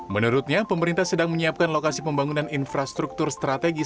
menurutnya pemerintah sedang menyiapkan lokasi pembangunan infrastruktur strategis